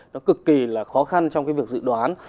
nó cực kỳ là khó khăn trong cái việc dự đoán